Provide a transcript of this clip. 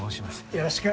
よろしく。